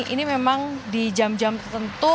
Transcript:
ini memang di jam jam tertentu